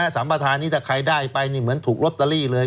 สัมประธานนี้ถ้าใครได้ไปเหมือนถูกลอตเตอรี่เลย